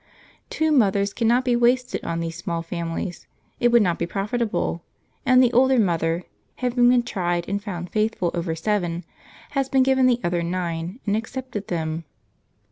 Two mothers cannot be wasted on these small families it would not be profitable; and the older mother, having been tried and found faithful over seven, has been given the other nine and accepted them.